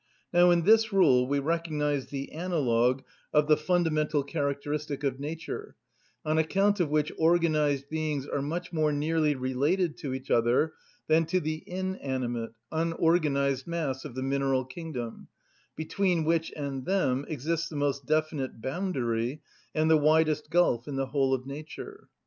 Now, in this rule we recognise the analogue of the fundamental characteristic of nature on account of which organised beings are much more nearly related to each other than to the inanimate, unorganised mass of the mineral kingdom, between which and them exists the most definite boundary and the widest gulf in the whole of nature.